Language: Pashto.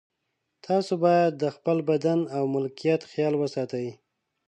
تاسو باید د خپل بدن او ملکیت خیال وساتئ.